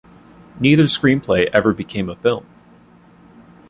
Neither screenplay ever became a film.